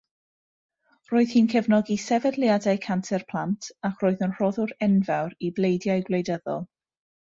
Roedd hi'n cefnogi sefydliadau canser-plant ac roedd yn rhoddwr enfawr i bleidiau gwleidyddol